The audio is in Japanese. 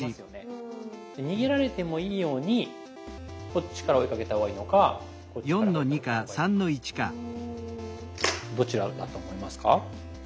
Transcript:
逃げられてもいいようにこっちから追いかけた方がいいのかこっちから追いかけた方がいいのかどちらだと思いますか？